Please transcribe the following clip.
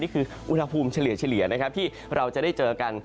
นี่คืออุณหภูมิเฉลี่ยที่เราจะได้เจอกัน